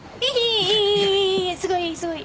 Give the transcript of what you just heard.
すごいすごい。